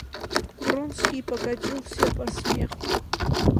Вронский покатился со смеху.